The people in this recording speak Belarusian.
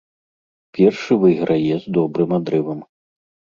Першы выйграе з добрым адрывам.